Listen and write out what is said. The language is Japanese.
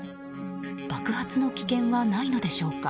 爆発の危険はないのでしょうか。